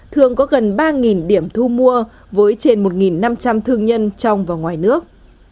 thường có gần ba điểm thu mua với trên một năm trăm linh thương nhân trong và ngoài nước